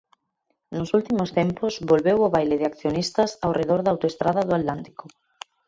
Nos últimos tempos volveu o baile de accionistas ao redor da Autoestrada do Atlántico.